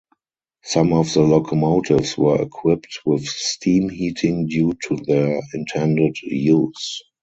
Some of the locomotives were equipped with steam heating due to their intended use.